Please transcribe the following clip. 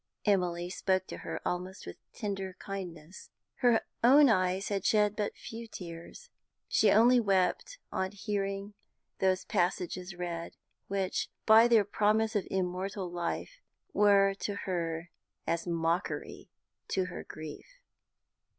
Emily spoke to her almost with tender kindness. Her own eyes had shed but few tears; she only wept on hearing those passages read which, by their promise of immortal life, were to her as mockery of her grief.